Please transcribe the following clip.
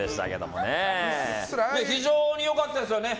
非常に良かったですね。